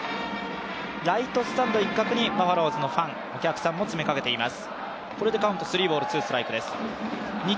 ライトスタンド一角にバファローズのファン、お客さんも詰めかけています。